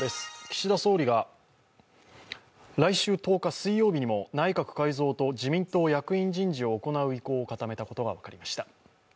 岸田総理が来週１０日水曜日にも内閣改造と自民党役員人事を行う意向を固めたことが分かりました。